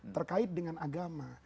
terkait dengan agama